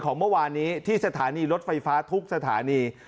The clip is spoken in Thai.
เมื่อวานนี้ที่สถานีรถไฟฟ้าทุกสถานี